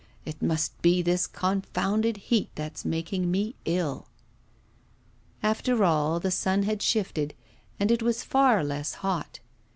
'It must be this confounded heat that's making me ill.' After all, the sun had shifted, and it was far less hot.